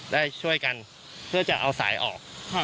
ได้ช่วยกันเพื่อจะเอาสายออก